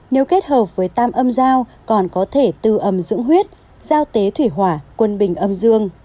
nếu kết hợp với tam âm giao còn có thể tư âm dưỡng huyết giao tế thủy hỏa quân bình âm dương